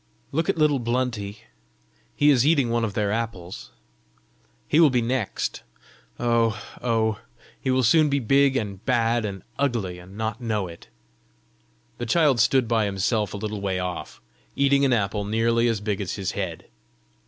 Look at little Blunty: he is eating one of their apples! He will be the next! Oh! oh! he will soon be big and bad and ugly, and not know it!" The child stood by himself a little way off, eating an apple nearly as big as his head.